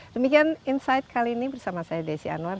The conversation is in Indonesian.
demikian insight kali ini bersama saya desi anwar